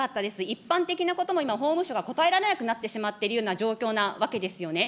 一般的なことも今、法務省が答えられなくなっているような状況なわけですよね。